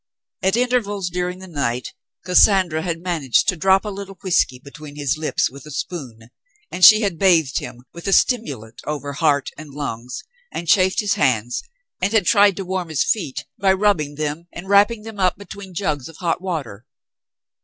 At intervals, during the night, Cassandra had managed to drop a little whiskey between his lips with a spoon, and she had bathed him with the stimulant over heart and lungs, and chafed his hands, and had tried to warm his feet by rubbing them and wrapping them up between jugs of hot water.